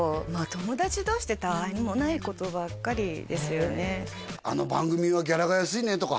友達同士ってたわいもないことばっかりですよね